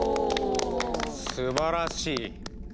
すばらしい。